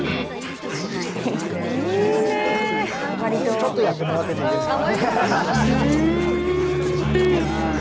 もうちょっとやってもらってていいですか？